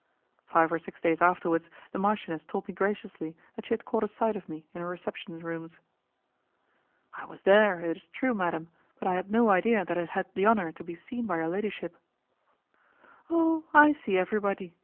Five or six days afterwards, the marchioness told me graciously that she had caught a sight of me in her reception rooms. "I was there, it is true, madam; but I had no idea that I had had the honour to be seen by your ladyship." "Oh! I see everybody.